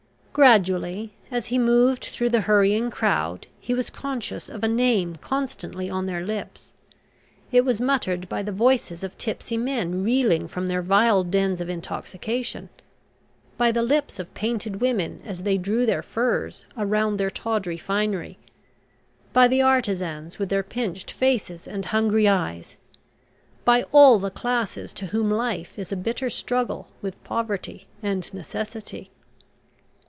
Gradually, as he moved through the hurrying crowd, he was conscious of a name constantly on their lips. It was muttered by the voices of tipsy men reeling from their vile dens of intoxication, by the lips of painted women as they drew their furs around their tawdry finery, by the artisans with their pinched faces and hungry eyes, by all the classes to whom life is a bitter struggle with poverty and necessity.